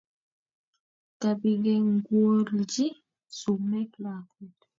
Kabigengwolji sumek lakwet